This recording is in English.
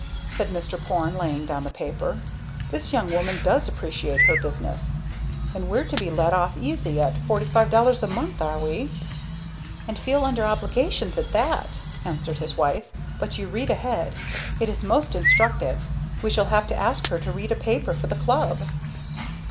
said Mr. Porne, laying down the paper, "This young woman does appreciate her business! And we're to be let off easy at $45.00 a month, are we." "And feel under obligations at that!" answered his wife. "But you read ahead. It is most instructive. We shall have to ask her to read a paper for the Club!"